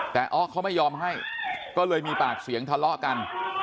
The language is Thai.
แต่อ๊อฟเขาไม่ยอมให้ก็เลยมีปากเสียงทะเลาะกัน